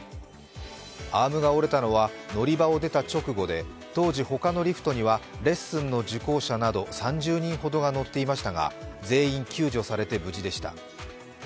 アームが折れたのは乗り場を出た直後で当時、他のリフトにはレッスンの受講者など３０人ほどが乗っていましたが全員救助されて無事でした。